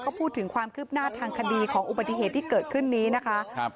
ก็พูดถึงความคืบหน้าทางคดีของอุบัติเหตุที่เกิดขึ้นนี้นะคะครับ